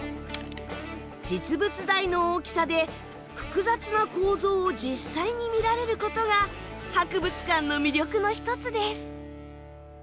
実物大の大きさで複雑な構造を実際に見られることが博物館の魅力の一つです。